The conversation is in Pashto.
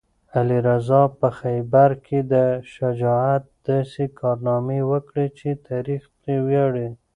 علي رض په خیبر کې د شجاعت داسې کارنامې وکړې چې تاریخ پرې ویاړي.